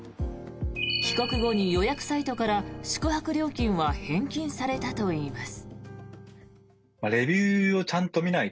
帰国後に予約サイトから宿泊料金は返金されたといいます。